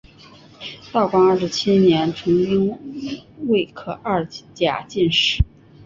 道光二十七年成丁未科二甲进士。